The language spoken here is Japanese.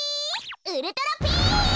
ウルトラピース！